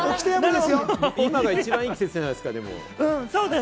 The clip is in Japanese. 今一番いい季節じゃないですか。